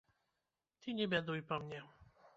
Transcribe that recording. Ты не бядуй па мне.